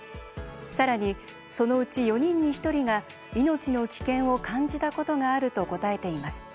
さらに、そのうち４人に１人が命の危険を感じたことがあると答えています。